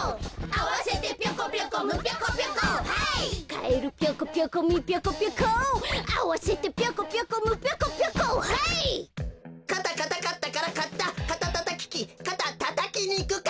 「ハイ！」「ハイ！」かたかたかったからかったかたたたききかたたたきにくかった！